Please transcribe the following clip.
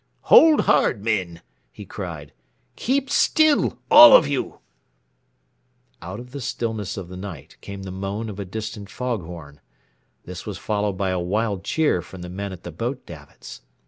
"Hold hard, men!" he cried. "Keep still all of you!" [Illustration: Hold hard men ] Out of the stillness of the night came the moan of a distant fog horn. This was followed by a wild cheer from the men at the boat davits.